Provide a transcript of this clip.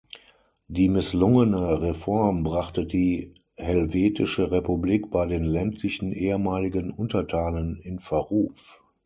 Die misslungene Reform brachte die Helvetische Republik bei den ländlichen ehemaligen Untertanen in Verruf.